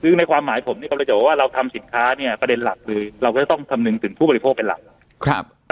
ในความหมายเพราะว่าเราทำสินค้าเนี่ยประเด็นหลักคือเราต้องทำนึงถึงผู้บริโภคเป็นหลัก